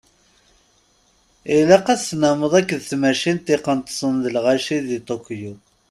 Ilaq ad tennameḍ akked d tmacinin iqqneṭsen d lɣaci di Tokyo.